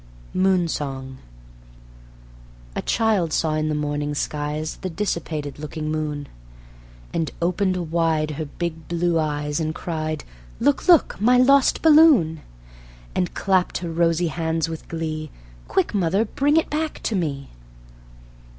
Moon Song A child saw in the morning skies The dissipated looking moon, And opened wide her big blue eyes, And cried: "Look, look, my lost balloon!" And clapped her rosy hands with glee: "Quick, mother! Bring it back to me."